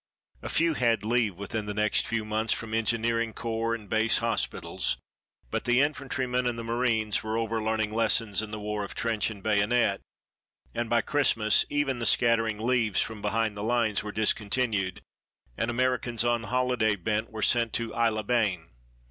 A few had leave, within the next few months, from engineering corps and base hospitals. But the infantrymen and the marines were over learning lessons in the war of trench and bayonet, and by Christmas even the scattering leaves from behind the lines were discontinued, and Americans on holiday bent were sent to Aix les Bains.